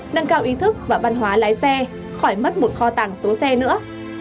nâng cao ý thức và văn hóa lái xe khỏi mất một kho tàng số xe nữa